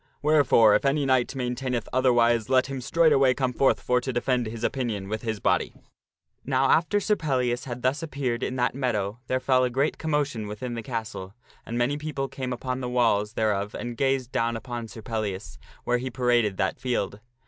Wherefore, if any knight maintaineth other wise, let him straightway come forth for to defend his opinion with his body." Now after Sir Pellias had thus appeared in that meadow there fell a great commotion within the castle, and many people came upon the walls thereof and gazed down upon Sir Pellias where he paraded that field.